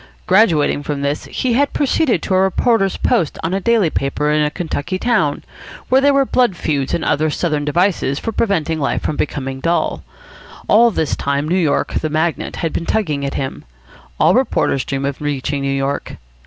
Graduating from this, he had proceeded to a reporter's post on a daily paper in a Kentucky town, where there were blood feuds and other Southern devices for preventing life from becoming dull. All this time New York, the magnet, had been tugging at him. All reporters dream of reaching New York.